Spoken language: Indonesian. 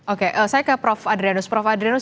oke saya ke prof adrianus prof adrius